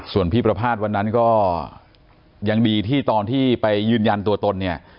ส่วนพี่ประภาษณ์วันนั้นก็ยังดีที่ตอนที่ไปยืนยันตัวตนเนี่ย